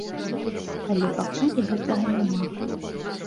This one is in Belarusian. Але пакуль гэтага няма.